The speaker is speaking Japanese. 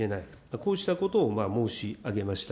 こうしたことを申し上げました。